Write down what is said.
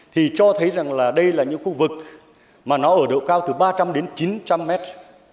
thì cho thấy rằng là đây là những khu vực mà nó ở độ cao từ ba trăm linh đến chín trăm linh mét